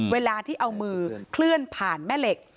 เวลาที่เอามือเคลื่อนผ่านแม่เหล็ก